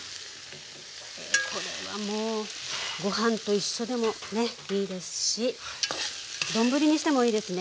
これはもうご飯と一緒でもねいいですし丼にしてもいいですね。